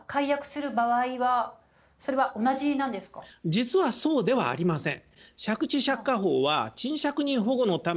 実はそうではありません。